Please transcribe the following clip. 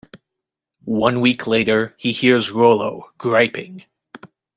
One week later, he hears Rollo griping.